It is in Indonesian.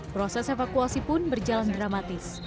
proses evakuasi pun berjalan dramatis